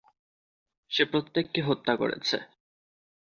সে প্রত্যেককে হত্যা করেছে।